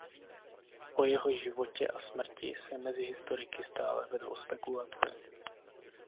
O jeho životě a smrti se mezi historiky stále vedou spekulace.